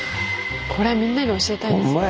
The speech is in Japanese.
これみんなに教えたいですね。